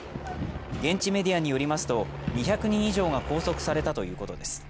現地メディアによりますと２００人以上が拘束されたということです